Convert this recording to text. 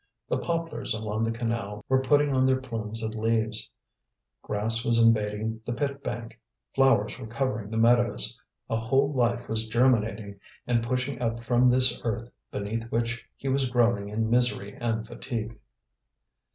The poplars along the canal were putting on their plumes of leaves. Grass was invading the pit bank, flowers were covering the meadows, a whole life was germinating and pushing up from this earth beneath which he was groaning in misery and fatigue.